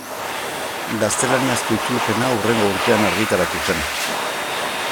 Gaztelaniazko itzulpena hurrengo urtean argitaratu zen.